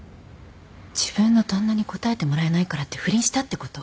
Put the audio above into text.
自分の旦那に応えてもらえないからって不倫したってこと？